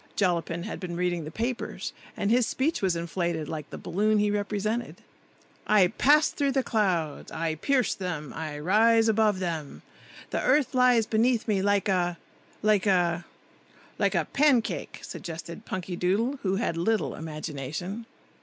(Jollapin had been reading the papers, and his speech was inflated, like the balloon he represented.) "I pass through the clouds; I pierce them; I rise above them. The earth lies beneath me like a—like a—" "Like a pancake!" suggested Punkydoodle, who had little imagination.